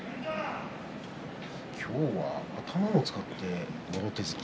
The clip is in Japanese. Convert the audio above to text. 今日は頭を使ってもろ手突き。